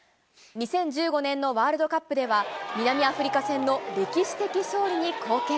２０１５年のワールドカップでは、南アフリカ戦の歴史的勝利に貢献。